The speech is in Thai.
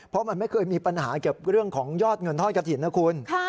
เพราะมันไม่เคยมีปัญหาเกี่ยวกับเรื่องของยอดเงินทอดกระถิ่นนะคุณ